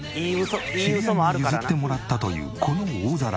知り合いに譲ってもらったというこの大皿。